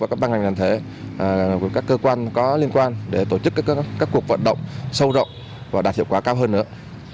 và các băng hành nền thể của các cơ quan có liên quan để tổ chức các cuộc vận động sâu rộng và đạt hiệu quả cao hơn nữa